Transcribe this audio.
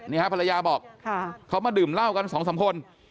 ภรรยาบอกเขามาดื่มเหล้ากันสองสามคน